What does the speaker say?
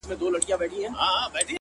داستخباراتو پټو جنياتو قايدين کړل